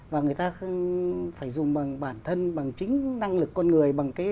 và người ta phải dùng bản thân bằng chính năng lực con người